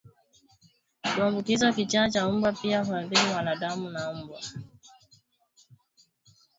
kuambukizwa kichaa cha mbwa Pia huathiri wanadamu na mbwa